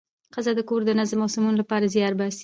ښځه د کور د نظم او سمون لپاره زیار باسي